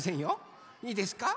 いいですか？